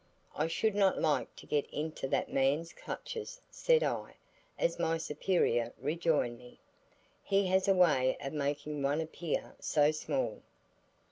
"I should not like to get into that man's clutches," said I, as my superior rejoined me; "he has a way of making one appear so small."